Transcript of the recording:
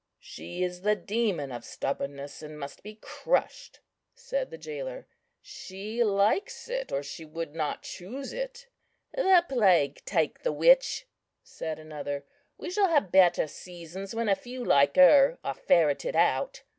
"She is the demon of stubbornness, and must be crushed," said the jailer; "she likes it, or she would not choose it." "The plague take the witch," said another; "we shall have better seasons when a few like her are ferreted out."